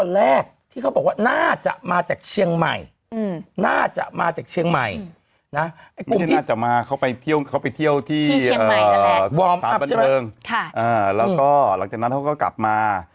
แล้วก็หลังจากนั้นเขาก็กลับมา